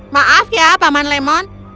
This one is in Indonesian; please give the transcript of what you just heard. maaf ya paman lemon